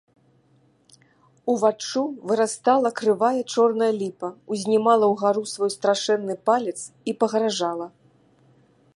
Уваччу вырастала крывая чорная ліпа, узнімала ўгару свой страшэнны палец і пагражала.